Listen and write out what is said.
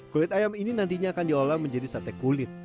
kulit ayam ini nantinya akan diolah menjadi sate kulit